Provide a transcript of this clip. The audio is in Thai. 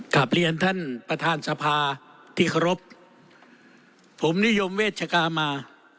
กลับเรียนท่านประธานสภาที่เคารพผมนิยมเวชกามา